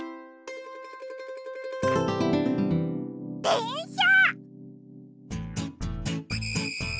でんしゃ。